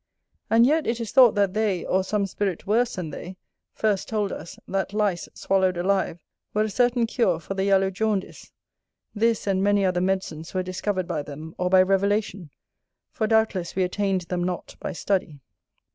And, yet, it is thought that they, or some spirit worse than they, first told us, that lice, swallowed alive, were a certain cure for the yellow jaundice. This, and many other medicines, were discovered by them, or by revelation; for, doubtless, we attained them not by study.